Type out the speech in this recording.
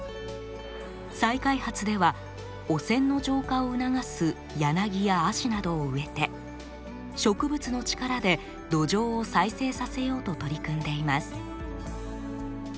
再開発では汚染の浄化を促すヤナギやアシなどを植えて植物の力で土壌を再生させようと取り組んでいます。